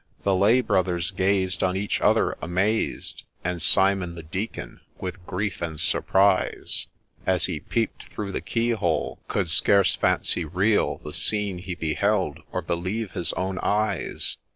The lay brothers gazed on each other, amazed ; And Simon the Deacon, with grief and surprise, As he peep'd through the key hole, could scarce fancy real The scene he beheld, or believe his own eyes.